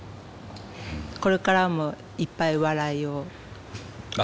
これからもいっぱい笑いを下さい。